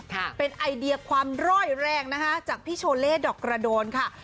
ค่ะเป็นไอเดียความร่อยแรงนะคะจากพี่โชเล่ดอกกระโดนค่ะ